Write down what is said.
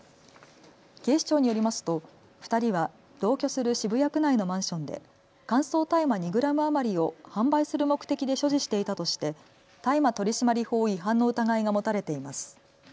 警視庁によりますと２人は同居する渋谷区内のマンションで乾燥大麻２グラム余りを販売する目的で所持していたとして大麻取締法違反の疑いが持たれています。